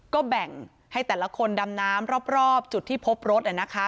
ก็แบ่งให้แต่ละคนดำน้ำรอบจุดที่พบรถ